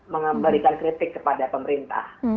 memberikan kritik kepada pemerintah